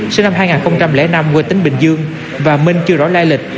sinh năm hai nghìn năm quê tỉnh bình dương và minh chưa rõ lai lịch